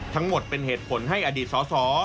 ทั้งหมดเป็นเหตุผลให้อดีตสส